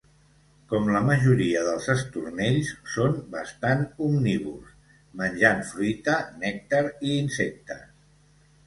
Com la majoria dels estornells, són bastant omnívors, menjant fruita, nèctar i insectes.